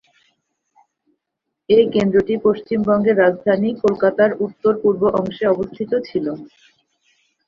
এই কেন্দ্রটি পশ্চিমবঙ্গের রাজধানী কলকাতার উত্তর-পূর্ব অংশে অবস্থিত ছিল।